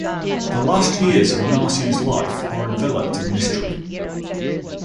The last years of Narses' life are enveloped in mystery.